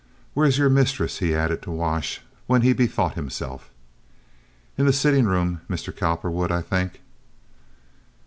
"Where is your mistress?" he added to Wash, when he bethought himself. "In the sitting room, Mr. Coppahwood, ah think."